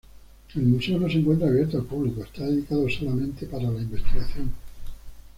El museo no se encuentra abierto al público, está dedicado solamente para la investigación.